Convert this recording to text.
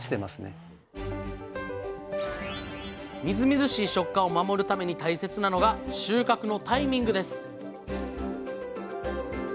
みずみずしい食感を守るために大切なのが収穫のタイミングです